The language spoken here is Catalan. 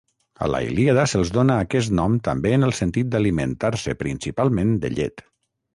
A la Ilíada se'ls dóna aquest nom també en el sentit d'alimentar-se principalment de llet.